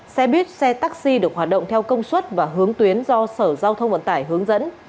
xe buýt xe taxi được hoạt động theo công suất và hướng tuyến do sở giao thông vận tải hướng dẫn